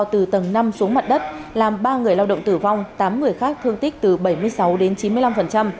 từ tầng năm xuống mặt đất làm ba người lao động tử vong tám người khác thương tích từ bảy mươi sáu đến chín mươi năm